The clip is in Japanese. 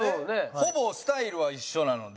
ほぼスタイルは一緒なので。